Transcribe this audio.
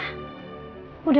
kamu jangan putus asa